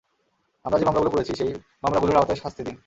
আমরা যে মামলাগুলো করেছি সেই মামলাগুলোর আওতায় শাস্তি দিন।